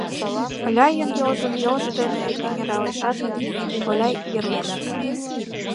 Оляйын йолжым йолжо дене эҥыралешат, Оляй йӧрлеш.